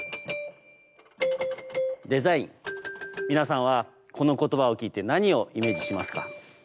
皆さんはこの言葉を聞いて何をイメージしますか？